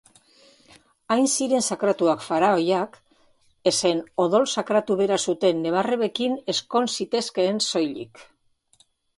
Hain ziren sakratuak faraoiak, ezen odol sakratu bera zuten neba-arrebekin ezkon zitezkeen soilik.